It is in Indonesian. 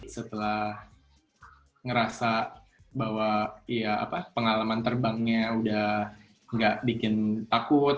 setelah ngerasa bahwa pengalaman terbangnya udah gak bikin takut